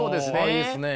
いいですね！